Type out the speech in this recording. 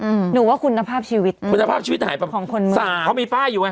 อืมหนูว่าคุณภาพชีวิตคุณภาพชีวิตหายไปของคนอีสานเขามีป้ายอยู่ไง